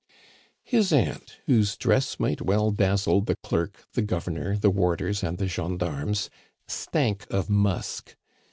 His aunt, whose dress might well dazzle the clerk, the Governor, the warders, and the gendarmes, stank of musk.